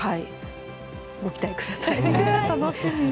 ご期待ください。